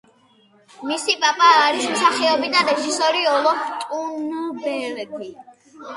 მისი პაპა არის მსახიობი და რეჟისორი ოლოფ ტუნბერგი.